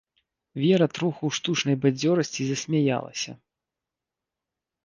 Вера троху ў штучнай бадзёрасці засмяялася.